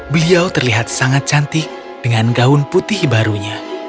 beliau terlihat sangat cantik dengan gaun putih barunya